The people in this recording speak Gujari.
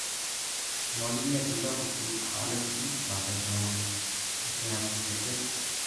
مولوی عبداللہ کو پُوت خالق مُچ بھادر جنو تھو اس نے اپنی کچر